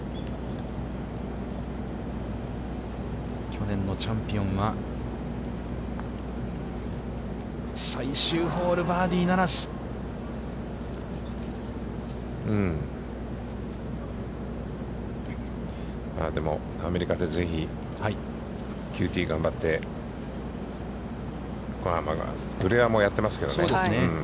去年のチャンピオンは、最終ホール、バーディーならず。まあでも、アメリカでぜひ、ＱＴを頑張ってプレアマもやっていますからね。